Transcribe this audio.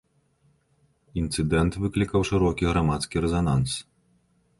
Інцыдэнт выклікаў шырокі грамадскі рэзананс.